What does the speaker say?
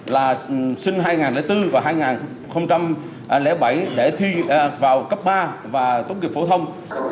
là sinh hai nghìn bốn và hai nghìn bảy để thi vào cấp ba và tốt nghiệp phổ thông